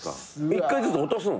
１回ずつ落とすの？